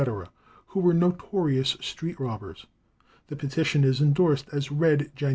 "who were notorious street robbers." The petition is endorsed as "read Jan.